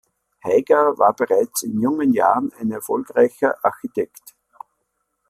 Haiger war bereits in jungen Jahren ein erfolgreicher Architekt.